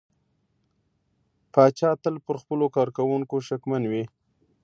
پاچا تل پر خپلو کارکوونکو شکمن وي .